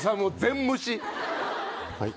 はい。